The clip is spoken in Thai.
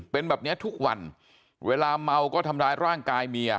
เป็นแบบนี้ทุกวันเวลาเมาก็ทำร้ายร่างกายเมีย